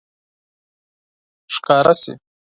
ښکاره شي